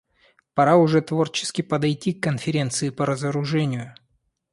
Пора уже творчески подойти к Конференции по разоружению.